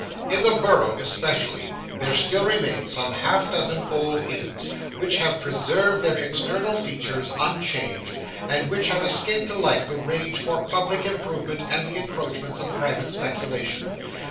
In the Borough especially, there still remain some half dozen old inns, which have preserved their external features unchanged, and which have escaped alike the rage for public improvement and the encroachments of private speculation.